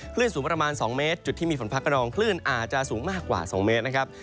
คลื่นสูงประมาณ๒เมตรจุดที่มีฝนฟ้ากระนองคลื่นอาจจะสูงมากกว่า๒เมตรนะครับ